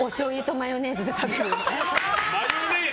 マヨネーズ？